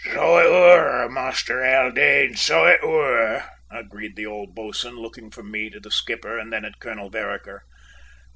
"So it were, Master Haldane; so it were," agreed the old boatswain, looking from me to the skipper and then at Colonel Vereker.